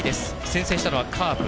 先制したのはカープ。